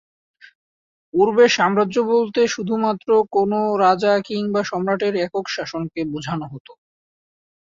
পূর্বে সাম্রাজ্য বলতে শুধু মাত্র কোন রাজা কিংবা সম্রাটের একক শাসনকে বুঝানো হত।